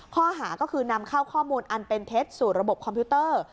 ข้อหาก็คือนำเข้าข้อมูลอันเป็นเท็จสู่ระบบคอมพิวเตอร์